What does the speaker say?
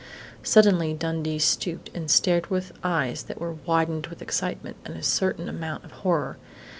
Suddenly Dundee stooped and stared with eyes that were widened with excitement and a certain amount of horror.